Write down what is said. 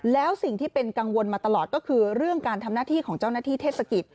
แล้วสิ่งที่เป็นกังวลมาตลอดก็คือเรื่องการทำหน้าที่ของเจ้าหน้าที่เทศกิจ